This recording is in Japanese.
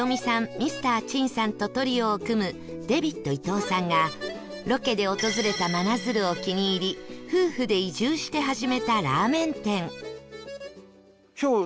ミスターちんさんとトリオを組むデビット伊東さんがロケで訪れた真鶴を気に入り夫婦で移住して始めたラーメン店